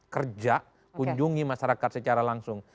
kerja kunjungi masyarakat secara langsung